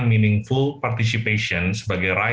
membuat pertemuan yang berarti